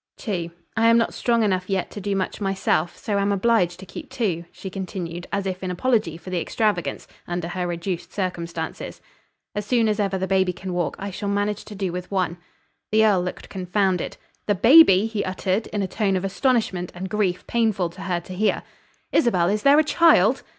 "Two. I am not strong enough yet to do much myself, so am obliged to keep two," she continued, as if in apology for the extravagance, under her reduced circumstances. "As soon as ever the baby can walk, I shall manage to do with one." The earl looked confounded. "The baby!" he uttered, in a tone of astonishment and grief painful to her to hear. "Isabel, is there a child?"